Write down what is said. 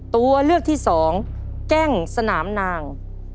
ตัวเลือกที่สองแก้งสนามนาง